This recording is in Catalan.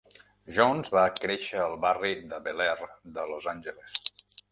Jones va créixer al barri de Bel Air de Los Angeles.